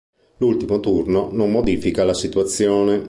L'ultimo turno non modifica la situazione.